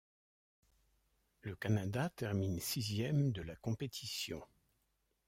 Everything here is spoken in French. Le Canada termine sixième de la compétition.